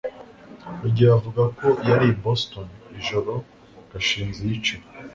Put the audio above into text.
rugeyo avuga ko yari i boston ijoro gashinzi yiciwe